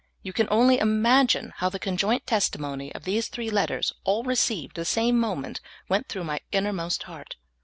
You can only imagine how the conjoint testimony of these three let ters — all received the same moment — went through my innermost heart.